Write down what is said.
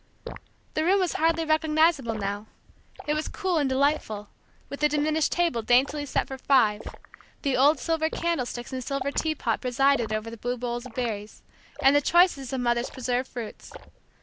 The room was hardly recognizable now. It was cool and delightful, with the diminished table daintily set for five, The old silver candlesticks and silver teapot presided over blue bowls of berries, and the choicest of Mother's preserved fruits.